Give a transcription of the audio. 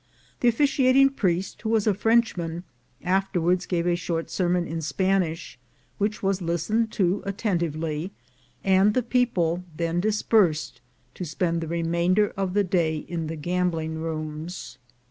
The officiating priest, who was a Frenchman, after wards gave a short sermon in Spanish, which was listened to attentively, and the people then dispersed to spend the remainder of the day in the gambling rooms.